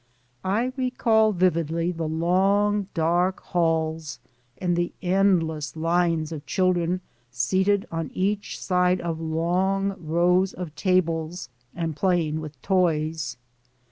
I recall vividly the long dark halls and the endless lines of children seated on each side of long rows of tables, and playing with toys.